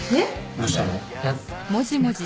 どうしたの？